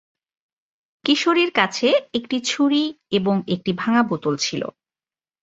কিশোরীর কাছে একটি ছুরি এবং একটি ভাঙা বোতল ছিল।